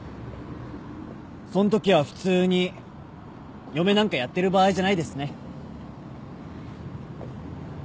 そんときは普通に嫁なんかやってる場合じゃないですね。